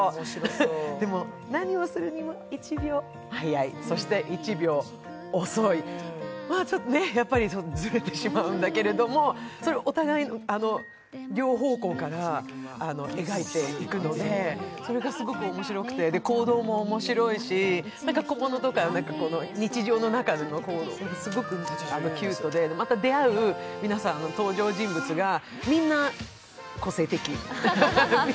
何をするにも１秒早い、そして１秒遅い、まあやっぱりちょっとずれてしまうんだけど、お互い両方向から描いていくので、それがすごい面白くて、行動も面白いし、日常の中もすごいキュートでまた出会う皆さん、登場人物がみんな個性的。